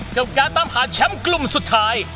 กับการตามหาแชมป์กลุ่มสุดท้าย